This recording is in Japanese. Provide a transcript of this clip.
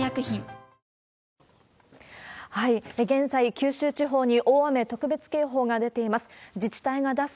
九州地方に大雨特別警報が出ています。